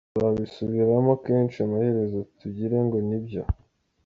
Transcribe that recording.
Bazabisubiramo kenshi amaherezo tugire ngo ni byo.